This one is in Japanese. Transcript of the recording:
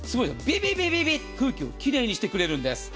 ビビビッと空気を奇麗にしてくれるんです。